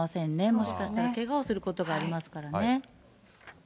もしかしたら、けがをすることもありますからね。